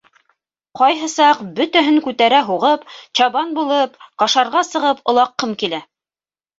Ҡайһы саҡ бөтәһен күтәрә һуғып, чабан булып кашарға сығып олаҡҡым килә!